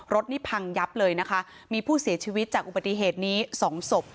รถนี่พังยับเลยนะคะมีผู้เสียชีวิตจากอุบัติเหตุนี้สองศพ